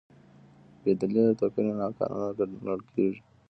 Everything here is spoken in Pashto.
بېدلیله توپیر ناقانونه ګڼل کېږي.